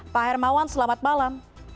pak hermawan selamat malam